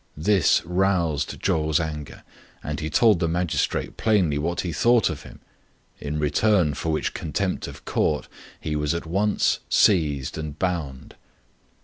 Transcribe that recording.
This roused Chou's anger, and he told the magistrate plainly what he thought of him, in return for which contempt of court he was at once seized and bound.